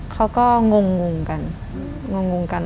เขาก็งงกัน